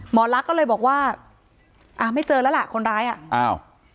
หมอลักษณ์ก็เลยบอกว่าอ่าไม่เจอแล้วล่ะคนร้ายอ่ะอ้าว